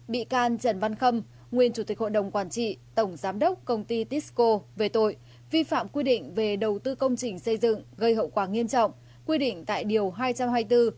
bị can trần văn khâm nguyên chủ tịch hội đồng quản trị tổng giám đốc công ty tisco về tội vi phạm quy định về đầu tư công trình xây dựng gây hậu quả nghiêm trọng quy định tại điều hai trăm hai mươi bốn